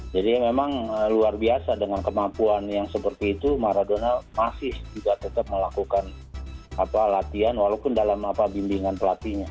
jadi memang luar biasa dengan kemampuan yang seperti itu maradona masih juga tetap melakukan latihan walaupun dalam bimbingan pelatihnya